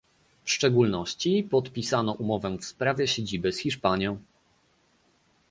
W szczególności, podpisano umowę w sprawie siedziby z Hiszpanią